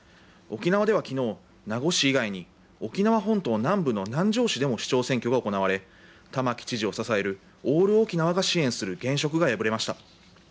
沖縄ではきのう、名護市以外に沖縄本島南部の南城市でも市長選挙が行われ、玉城知事を支えるオール沖縄が支援する現職が敗れました。